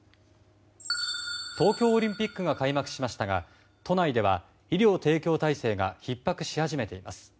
東京オリンピックが開幕しましたが都内では医療提供体制がひっ迫し始めています。